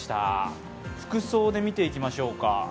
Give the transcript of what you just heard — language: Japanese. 服装で見ていきましょうか。